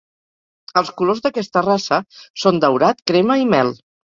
Els colors d'aquesta raça són daurat, crema, i mel.